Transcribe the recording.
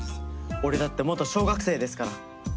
俺だって元小学生ですから。